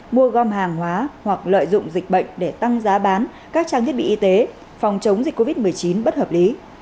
mua gom hàng hóa hoặc lợi dụng dịch bệnh để tăng giá bán các trang thiết bị y tế phòng chống dịch covid một mươi chín bất hợp lý